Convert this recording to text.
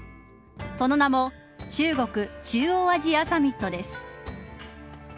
その名も中国・中央アジアサミットです。